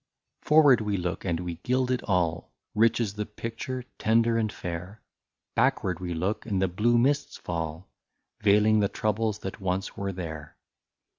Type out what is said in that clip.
Forward we look and we gild it all, Rich is the picture and tender and fair ; Backward we look and the blue mists fall, Veiling the troubles that once were there.